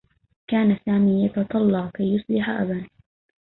كان سامي يتطلّع كي يصبح أبا.